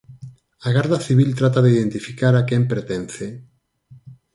A Garda Civil trata de identificar a quen pertence.